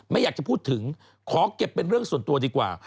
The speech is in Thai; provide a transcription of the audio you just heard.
ไม่อยากจะพูดถึงขอเก็บเป็นเรื่องส่วนตัวดีกว่า